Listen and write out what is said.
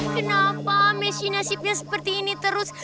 kenapa messi nasibnya seperti ini terus